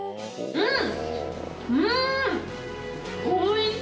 うん！